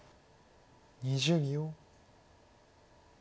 ２０秒。